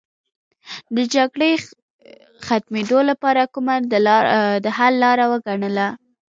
د جګړې ختمېدو لپاره کومه د حل لاره وګڼله.